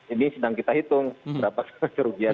ini sedang kita hitung berapa kerugian